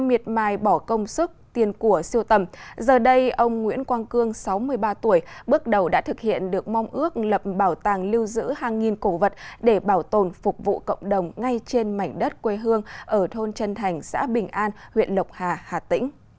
miệt mài bỏ công sức tiền của siêu tầm giờ đây ông nguyễn quang cương sáu mươi ba tuổi bước đầu đã thực hiện được mong ước lập bảo tàng lưu giữ hàng nghìn cổ vật để bảo tồn phục vụ cộng đồng ngay trên mảnh đất quê hương ở thôn trân thành xã bình an huyện lộc hà hà tĩnh